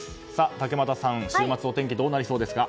竹俣さん、週末お天気どうなりそうですか？